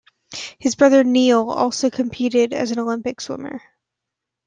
His brother Neil also competed as an Olympic swimmer.